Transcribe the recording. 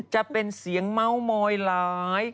จะเป็นเสียงเมาเมายร้าย